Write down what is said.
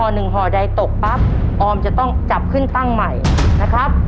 หนึ่งห่อใดตกปั๊บออมจะต้องจับขึ้นตั้งใหม่นะครับ